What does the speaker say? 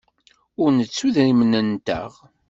Ur nettu idrimen-nteɣ.